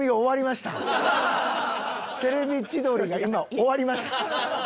『テレビ千鳥』が今終わりました。